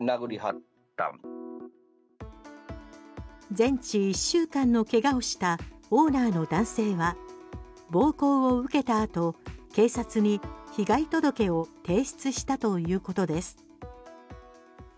全治１週間の怪我をしたオーナーの男性は暴行を受けたあと警察に被害届を提出したということです。